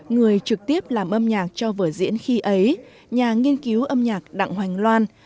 người trực tiếp làm âm nhạc cho vở diễn khi ấy nhà nghiên cứu âm nhạc đặng hoành loan